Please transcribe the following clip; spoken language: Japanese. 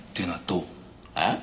えっ？